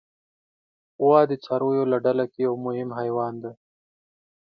غوا د څارویو له ډله کې یو مهم حیوان دی.